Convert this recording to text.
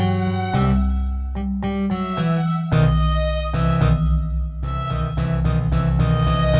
untuk perjalanan sholat maghrib